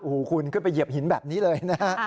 โอ้โหคุณขึ้นไปเหยียบหินแบบนี้เลยนะฮะ